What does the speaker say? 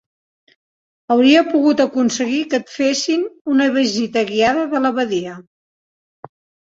Hauria pogut aconseguir que et fessin una visita guiada de la badia!